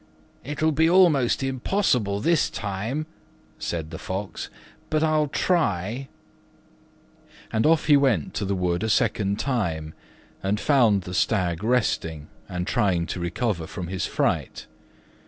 "It'll be almost impossible this time," said the Fox, "but I'll try"; and off he went to the wood a second time, and found the Stag resting and trying to recover from his fright.